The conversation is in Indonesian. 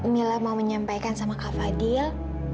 mila mau menyampaikan sama kak fadil